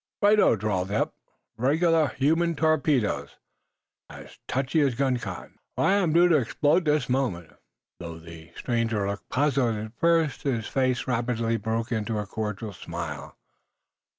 "Right o," drawled Eph. "Regular human torpedoes, as touchy as gun cotton. Why, I am due to explode this moment!" Though the stranger looked puzzled at first, his face rapidly broke into a cordial smile.